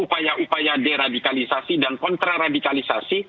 upaya upaya deradikalisasi dan kontraradikalisasi